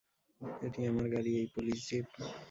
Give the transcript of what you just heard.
এটি আমার গাড়ি এই পুলিশ জীপ?